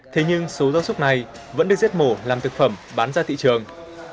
thế nhưng số giao xúc này vẫn được giết mổ làm thực phẩm bán ra thị trường